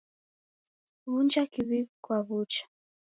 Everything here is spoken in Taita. W'unja kiwiwi kwa w'ucha.